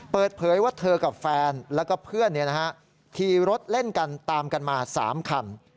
เปิดเผยว่าเธอกับแฟนแล้วก็เพื่อนขี่รถเล่นกันตามกันมา๓คัน